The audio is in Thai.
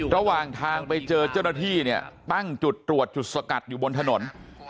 ระหว่างทางไปเจอเจ้าหน้าที่เนี่ยตั้งจุดตรวจจุดสกัดอยู่บนถนน